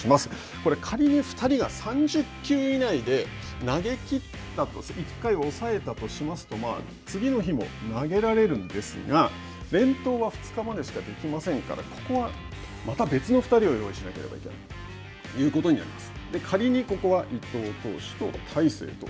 これ、仮に２人が３０球以内で投げきったととして、１回を抑えたとしますと、次の日も投げられるんですが、連投は２日までしかできませんから、ここはまた別の２人を用意しなければいけないということになります。